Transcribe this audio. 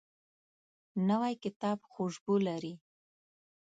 نوی کتاب خوشبو لري